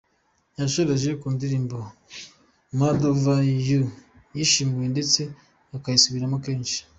Yasoreje ku ndirimbo ’Mad Over You’ yishimiwe ndetse akayisubiramo kenshi.